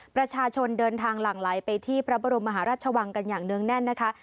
ประชาชนเดินทางหลั่งไหลไปที่พระบรมมหาราชวังกันอย่างเนื่องแน่นนะคะ